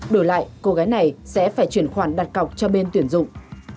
đổi lại cô gái này sẽ phải chuyển khoản đặt cọc cho bên tuyển dụng